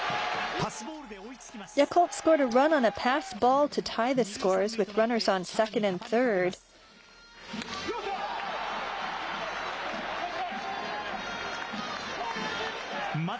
パスボールで追いつきます。